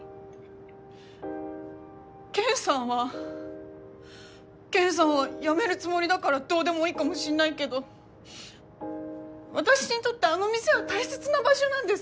ケンさんはケンさんは辞めるつもりだからどうでもいいかもしんないけど私にとってあのお店は大切な場所なんです。